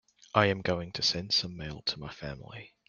I am going to send some mail to my family.